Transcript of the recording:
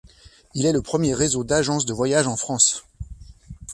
Il est le premier réseau d'agences de voyage en France.